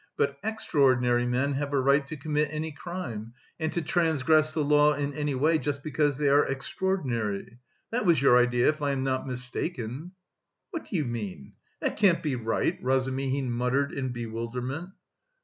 But extraordinary men have a right to commit any crime and to transgress the law in any way, just because they are extraordinary. That was your idea, if I am not mistaken?" "What do you mean? That can't be right?" Razumihin muttered in bewilderment.